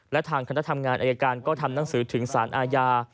และทางคณะทำงานอายการก็ทำหนังสือถึงสารอาญา